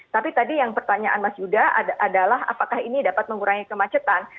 tapi tadi yang pertanyaan mas yuda adalah apakah ini dapat mengurangi kemacetan